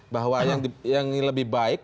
bahwa yang lebih baik